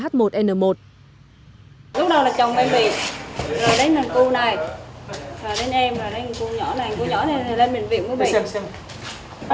lúc đó là chồng em bị rồi đến nàng cú này rồi đến em rồi đến cú nhỏ này cú nhỏ này thì lên biện viện mua bệnh